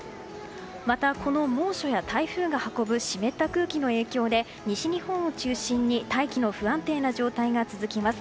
また、この猛暑や台風が運ぶ湿った空気の影響で西日本を中心に大気の不安定な状態が続きます。